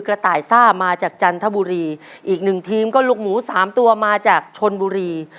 กระต่ายซ่ามาจากจันทบุรีอีกหนึ่งทีมก็ลูกหมูสามตัวมาจากชนบุรี